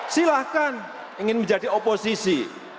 silahkan ingin menjadi oposisi